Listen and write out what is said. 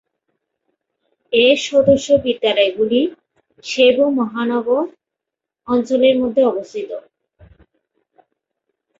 এর সদস্য বিদ্যালয়গুলি সেবু মহানগর অঞ্চলের মধ্যে অবস্থিত।